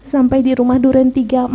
sampai di rumah duren tiga ratus empat puluh